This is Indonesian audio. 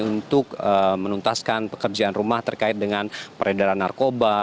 untuk menuntaskan pekerjaan rumah terkait dengan peredaran narkoba